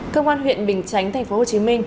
cơ quan huyện bình chánh tp hcm